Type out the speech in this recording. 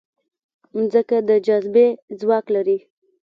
مځکه د جاذبې ځواک لري.